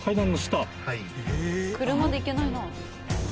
車で行けないな。